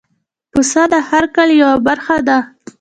پسه د هر کلي یو برخه ده.